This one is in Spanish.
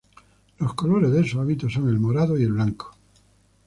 Los colores de su hábito son el morado y el blanco.